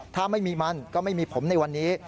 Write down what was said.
ถ้าไม่มีมันก็ไม่มีผมในวันนี้